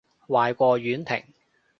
壞過婉婷